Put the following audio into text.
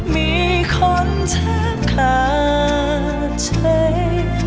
มีคนเธอขาดใจ